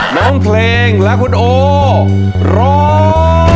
น้องเพลงและคุณโอร้อง